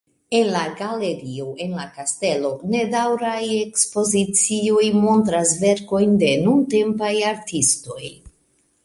En la "Galerio en la kastelo" nedaŭraj ekspozicioj montras verkojn de nuntempaj artistoj.